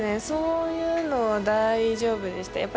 そういうのは大丈夫でした。